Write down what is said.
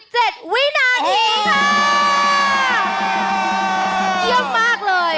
เยี่ยมมากเลย